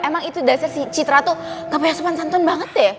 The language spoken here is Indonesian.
emang itu dasar si citra tuh gak payah sepan santun banget deh